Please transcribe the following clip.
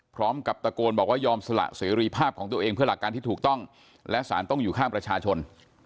พร้อมกับตะโกนบอกว่ายอมสละเสรีภาพของตัวเองเพื่อหลักการที่ถูกต้องและสารต้องอยู่ข้างประชาชน